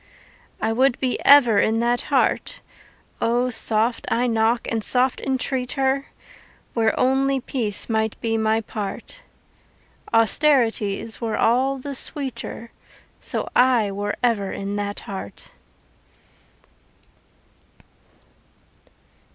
I would be ever in that heart (O soft I knock and soft entreat her!) Where only peace might be my part. Austerities were all the sweeter So I were ever in that heart.